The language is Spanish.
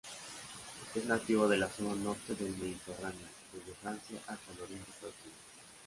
Es nativo de la zona norte del Mediterráneo, desde Francia hasta Oriente Próximo.